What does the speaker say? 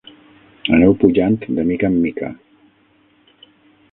Aneu pujant de mica en mica